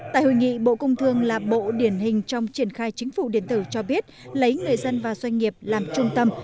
tại hội nghị bộ công thương là bộ điển hình trong triển khai chính phủ điện tử cho biết lấy người dân và doanh nghiệp làm trung tâm